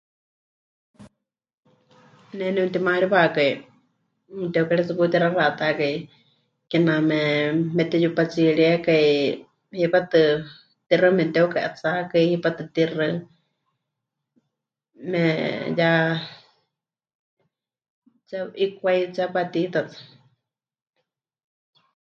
Ne nepɨtimaariwakai, neteukari tsɨ paɨ pɨtixaxatákai kename meteyupatsiríekai, hipátɨ tixaɨ memɨteuka'etsakai, hipátɨ tixaɨ me... ya 'ikwai, tsepá tiita.